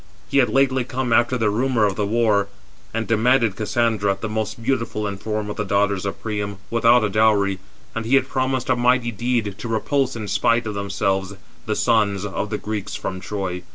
423 He had lately come after the rumour of the war, and demanded Cassandra, the most beautiful in form of the daughters of Priam, without a dowry; and he had promised a mighty deed, to repulse in spite of themselves the sons of the Greeks from Troy.